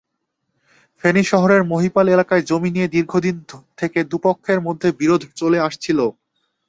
ফেনী শহরের মহিপাল এলাকায় জমি নিয়ে দীর্ঘদিন থেকে দুপক্ষের মধ্যে বিরোধ চলে আসছিল।